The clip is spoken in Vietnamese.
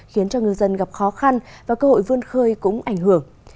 khiến cho ngư dân gặp khó khăn và cơ hội vươn khơi cũng ảnh hưởng